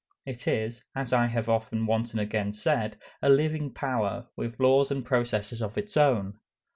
It is, as I have once and again said, a living power, with laws and processes of its own.